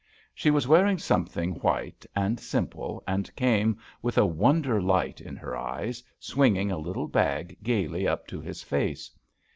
She was wearing something white and sim ple, and came with a wonder light in her eyes, swinging a little bag gayly up to his face.